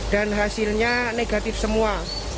dan hasilnya negatif semua